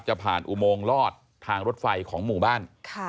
จะผ่านอุโมงลอดทางรถไฟของหมู่บ้าน